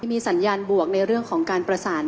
มีสัญญาณบวกในเรื่องของการประสาน